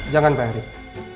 jangan pak erick